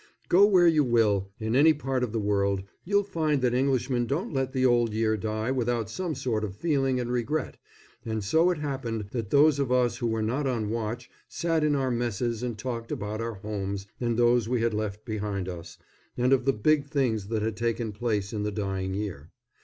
Go where you will, in any part of the world, you'll find that Englishmen don't let the Old Year die without some sort of feeling and regret, and so it happened that those of us who were not on watch sat in our messes and talked about our homes and those we had left behind us, and of the big things that had taken place in the dying year.